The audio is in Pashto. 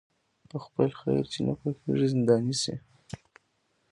په خپل خیر چي نه پوهیږي زنداني سي